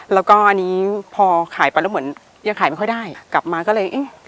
แล้วก็อันนี้พอขายไปแล้วเหมือนยังขายไม่ค่อยได้กลับมาก็เลยเอ๊ะ